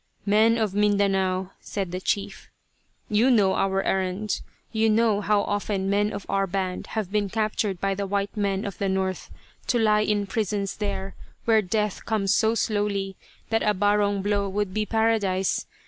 "Men of Mindanao," said the chief, "you know our errand. You know how often men of our band have been captured by the white men of the north to lie in prisons there, where death comes so slowly that a 'barong' blow would be paradise.